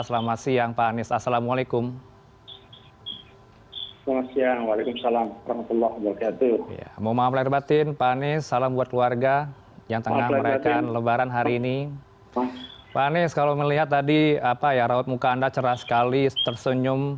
selamat siang pak anies assalamualaikum